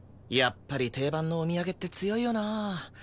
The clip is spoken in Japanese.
やっぱり定番のお土産って強いよなあ。